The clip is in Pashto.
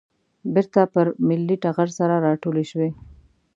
بېرته پر ملي ټغر سره راټولې شوې.